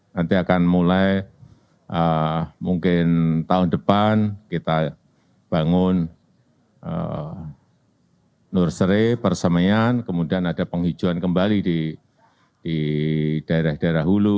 nanti akan mulai mungkin tahun depan kita bangun nursery persemian kemudian ada penghijauan kembali di daerah daerah hulu